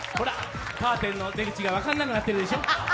カーテンの出口が分かんなくなってるでしょ